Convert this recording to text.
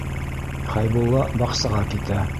Хәйбулла баҡсаға китә.